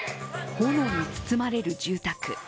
炎に包まれる住宅。